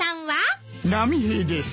波平です。